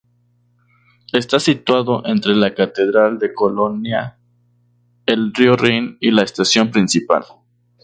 Está situado entre la Catedral de Colonia, el río Rin y la estación principal.